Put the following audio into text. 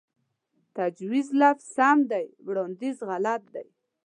تجويز لفظ سم دے وړانديز غلط دے